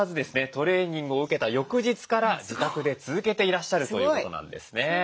トレーニングを受けた翌日から自宅で続けていらっしゃるということなんですね。